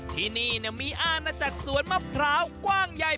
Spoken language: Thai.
ที่นี่มีอาณาจักรสวนมะพร้าวกว้างใหญ่